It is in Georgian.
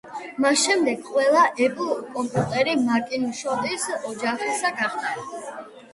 მას შემდეგ ყველა ეპლ კომპიუტერი მაკინტოშის ოჯახისა გახდა.